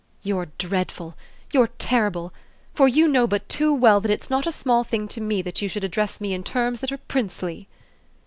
"You're dreadful, you're terrible, for you know but too well that it's not a small thing to me that you should address me in terms that are princely!"